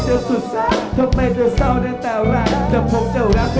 เธอสุดแสบเธอไม่เธอเศร้าได้แต่แรกแต่ผมจะรับให้